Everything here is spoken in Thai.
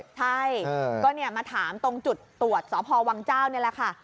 ใช่ก็มาถามตรงจุดตรวจสพวังเจ้านี่แหละค่ะ